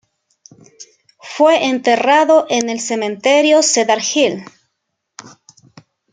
Fue enterrado en el cementerio Cedar Hill.